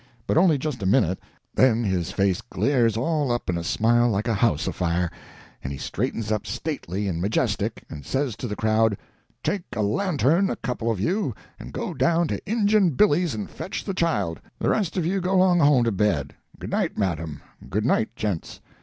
But only just a minute then his face glares all up in a smile like a house afire, and he straightens up stately and majestic, and says to the crowd, 'Take a lantern, a couple of you, and go down to Injun Billy's and fetch the child the rest of you go 'long home to bed; good night, madam; good night, gents.'